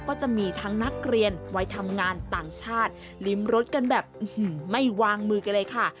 ก็จะมีทั้งนักเรียนวัยทำงานต่างชาติริมรถกันแบบไม่วางมือกันเลยค่ะ